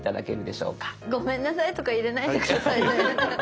「ごめんなさい」とか入れないで下さいね。